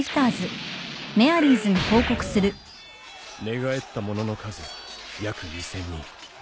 寝返った者の数約２，０００人。